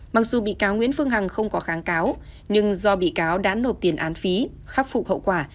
mặc dù bị cáo nguyễn phương hằng không có kháng cáo nhưng do bị cáo đã nộp tiền án phí khắc phục hậu quả